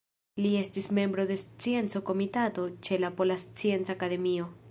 Li estis membro de Scienco-Komitato ĉe la Pola Scienca Akademio.